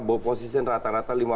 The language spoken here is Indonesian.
bawa posisi rata rata lima puluh